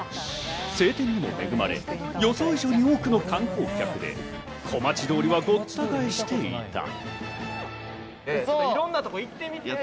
晴天にも恵まれ、予想以上に多くの観光客で小町通りはごった返していた。